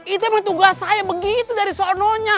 itu emang tugas saya begitu dari sononya